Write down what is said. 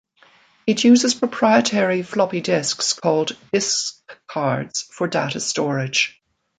It uses proprietary floppy disks called "Disk Cards" for data storage.